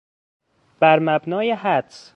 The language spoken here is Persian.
برمبنای حدس